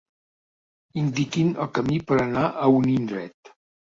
Indiquin el camí per anar a un indret.